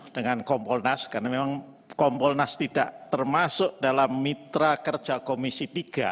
dengan kompolnas karena memang kompolnas tidak termasuk dalam mitra kerja komisi tiga